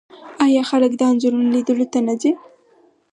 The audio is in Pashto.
آیا خلک د انځورونو لیدلو ته نه ځي؟